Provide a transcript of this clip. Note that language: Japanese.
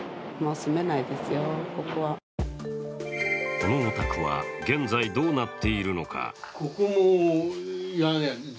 このオタクは現在、どうなっているのか。